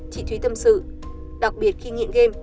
chị thúy tâm sự đặc biệt khi nghiện game